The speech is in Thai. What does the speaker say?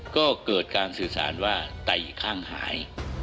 ก็เกิดการสื่อสารว่าไต่ข้างหาย